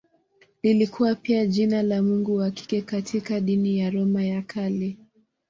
Lilikuwa pia jina la mungu wa kike katika dini ya Roma ya Kale.